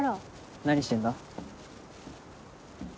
何してんだ？